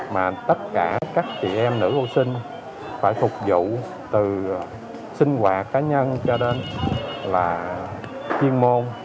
mà tất cả các chị em nữ vô sinh phải phục vụ từ sinh hoạt cá nhân cho đến là chuyên môn